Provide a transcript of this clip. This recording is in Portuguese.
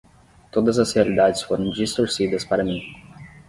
Todas as realidades foram distorcidas para mim.